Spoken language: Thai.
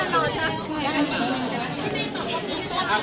ขอบคุณครับ